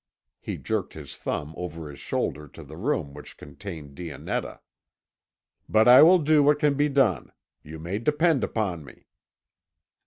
He jerked his thumb over his shoulder to the room which contained Dionetta. "But I will do what can be done. You may depend upon me."